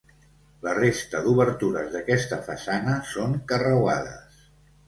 La resta d'obertures d'aquesta façana són carreuades.